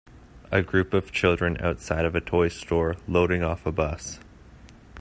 A group of children outside of a toy store loading off a bus.